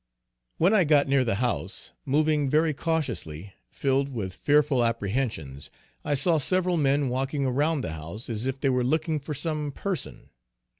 When I got near the house, moving very cautiously, filled with fearful apprehensions, I saw several men walking around the house as if they were looking for some person.